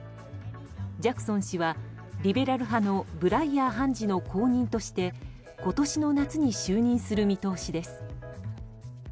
ジャクソン氏はリベラル派のブライヤー判事の後任として今年の夏に就任する見通しです。